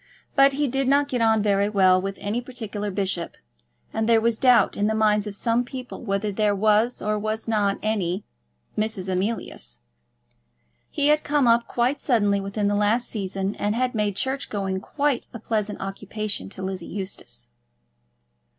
But he did not get on very well with any particular bishop, and there was doubt in the minds of some people whether there was or was not any Mrs. Emilius. He had come up quite suddenly within the last season, and had made church going quite a pleasant occupation to Lizzie Eustace.